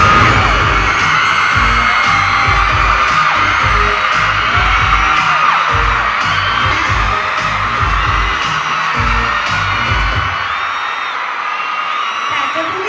เนี่ยอันนี้สุดท้ายมีอาทิตย์หนึ่งได้นะครับ